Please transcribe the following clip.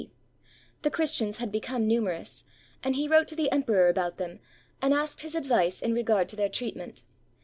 d. The Christians had become numerous, and he wrote to the emperor about them and asked his advice in regard to their treatment.